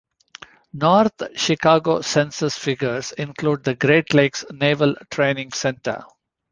North Chicago census figures include the Great Lakes Naval Training Center.